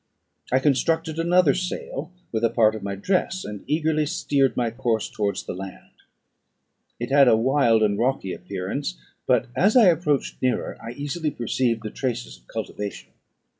I constructed another sail with a part of my dress, and eagerly steered my course towards the land. It had a wild and rocky appearance; but, as I approached nearer, I easily perceived the traces of cultivation.